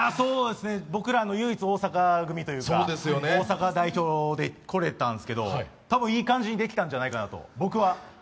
僕ら、唯一、大阪組というか大阪代表で来れたんですけど多分、いい感じにできたんじゃないかと、僕は。